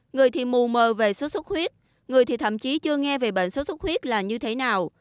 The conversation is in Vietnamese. người thì mù mờ về sốt xuất huyết người thì thậm chí chưa nghe về bệnh sốt xuất huyết là như thế nào